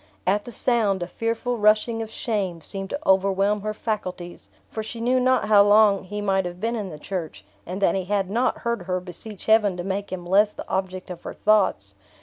At the sound, a fearful rushing of shame seemed to overwhelm her faculties; for she knew not how long he might have been in the church, and that he had not heard her beseech Heaven to make him less the object of her thoughts.